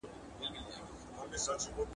او د هغوی په ټاکنه کي به